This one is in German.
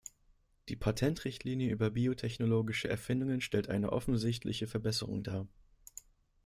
Die Patentrichtlinie über biotechnologische Erfindungen stellt eine offensichtliche Verbesserung dar.